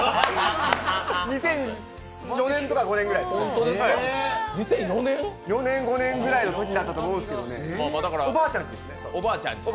２００４年とか２００５年ぐらいのときだったと思うんですけどおばあちゃんちですね。